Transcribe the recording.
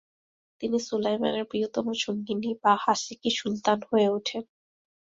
তিনি সুলায়মানের প্রিয়তম সঙ্গিনী বা হাসেকি সুলতান হয়ে ওঠেন।